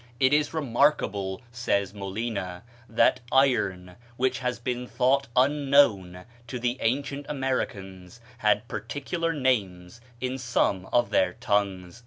"It is remarkable," says Molina, "that iron, which has been thought unknown to the ancient Americans, had particular names in some of their tongues."